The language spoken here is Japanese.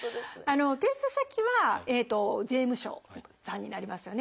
提出先は税務署さんになりますよね。